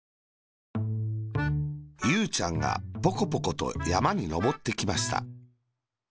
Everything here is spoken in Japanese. ゆうちゃんがポコポコとやまにのぼってきました。